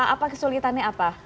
apa kesulitannya apa